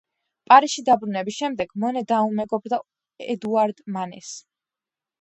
პარიზში დაბრუნების შემდეგ მონე დაუმეგობრდა ედუარდ მანეს.